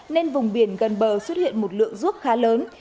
nên vùng biển gần bờ xuất hiện một lượng ruốc khá lớn